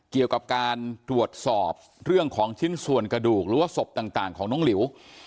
เกี่ยวกับการตรวจสอบเรื่องของชิ้นส่วนกระดูกหรือว่าศพต่างของน้องหลิว